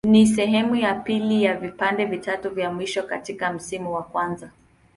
Ni sehemu ya pili ya vipande vitatu vya mwisho katika msimu wa kwanza.